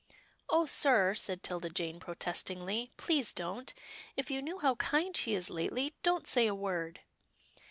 " Oh, sir," said 'Tilda Jane protestingly, " please don't — if you knew how kind she is lately — don't say a word."